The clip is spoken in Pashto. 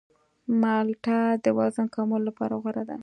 مالټه د وزن کمولو لپاره غوره ده.